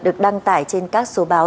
được đăng tải trên các số báo